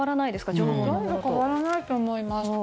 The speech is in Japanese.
ほとんど変わらないと思います。